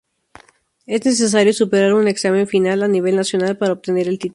Es necesario superar un examen final a nivel nacional para obtener el título.